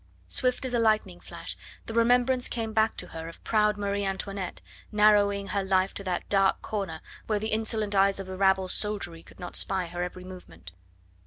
Swift as a lightning flash the remembrance came back to her of proud Marie Antoinette narrowing her life to that dark corner where the insolent eyes of the rabble soldiery could not spy her every movement.